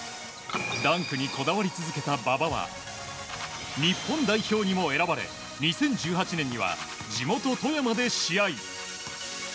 ダンクにこだわり続けた馬場は日本代表にも選ばれ２０１８年には地元・富山で試合。